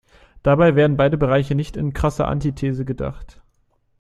Dabei werden beide Bereiche nicht in krasser Antithese gedacht.